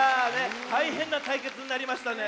たいへんなたいけつになりましたね。